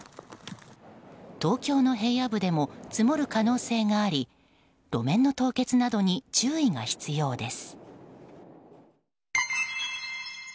東京の平野部でも積もる可能性があり路面の凍結などに注意が必要です。